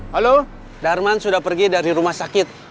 halo darman sudah pergi dari rumah sakit